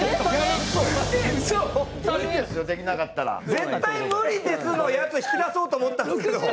絶対無理ですのやつ引き出そうと思ったんですけど。